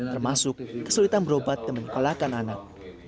termasuk kesulitan berobat dan menikah lakan anak